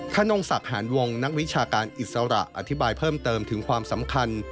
ขนงศักดิ์หารวงนักวิชาการอิสระอธิบายเพิ่มเติมถึงความสำคัญ